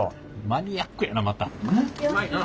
マニアックやなまた。